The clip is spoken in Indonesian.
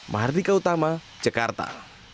mahardika utama jakarta